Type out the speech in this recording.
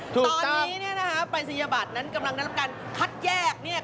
ตอนนี้เนี่ยนะคะปรายศนียบัตรนั้นกำลังได้รับการคัดแยกเนี่ย